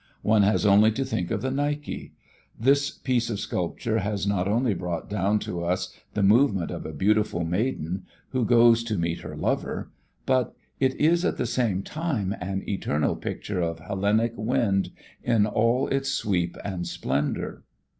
One has only to think of the Nike. This piece of sculpture has not only brought down to us the movement of a beautiful maiden who goes to meet her lover, but it is at the same time an eternal picture of Hellenic wind in all its sweep and splendour.